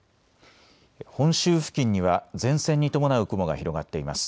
本州付近には前線に伴う雲が広がっています。